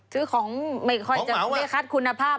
ซื้อของไม่ค่อยจะได้คัดคุณภาพ